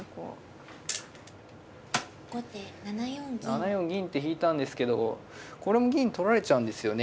７四銀って引いたんですけどこれも銀取られちゃうんですよね。